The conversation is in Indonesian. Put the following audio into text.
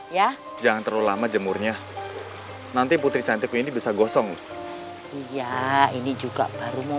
ya jangan terlalu lama jemurnya nanti putri cantik ini bisa gosong iya ini juga baru mau